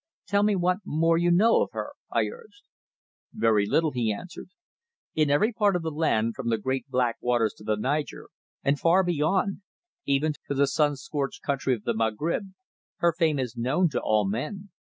"Tell me what more you know of her?" I urged. "Very little," he answered. "In every part of the land, from the great black waters to the Niger and far beyond, even to the sun scorched country of the Maghrib, her fame is known to all men.